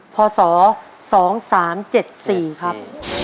พศ๒๓๗๔ครับ